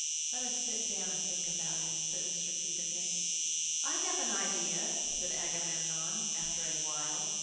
"Let us sit down and think about it," said Mr. Peterkin. "I have an idea," said Agamemnon, after a while.